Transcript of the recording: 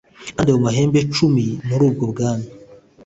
kandi ayo mahembe cumi muri ubwo bwami